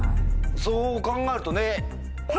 そう考えるとね。